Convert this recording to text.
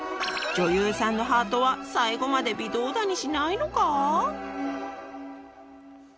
女優さんのハートは最後まで微動だにしないのか？